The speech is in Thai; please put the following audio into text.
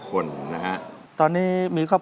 สวัสดีครับ